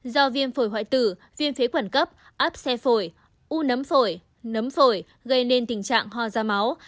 do viêm phổi hoại tử viêm phế quản cấp áp xe phổi u nấm phổi nấm phổi gây nên tình trạng ho da máu